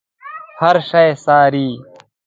هر شی څاري.